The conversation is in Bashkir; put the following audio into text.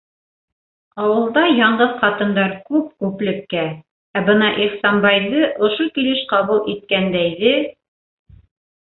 Ауылда яңғыҙ ҡатындар күп күплеккә, ә бына Ихсанбайҙы ошо килеш ҡабул иткәндәйҙе...